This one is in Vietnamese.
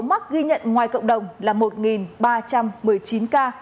mắc ghi nhận ngoài cộng đồng là một ba trăm một mươi chín ca